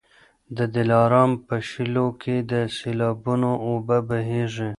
د دلارام په شېلو کي د سېلابونو اوبه بهیږي.